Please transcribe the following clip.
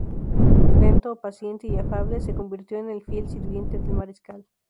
Lento, paciente y afable, se convirtió en el fiel sirviente del mariscal.